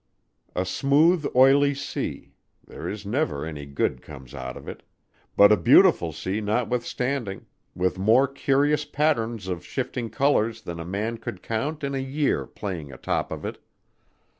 A smooth, oily sea there is never any good comes out of it; but a beautiful sea notwithstanding, with more curious patterns of shifting colors than a man could count in a year playing atop of it.